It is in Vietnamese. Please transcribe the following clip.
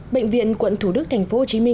bệnh viện quận thủ đức tp hcm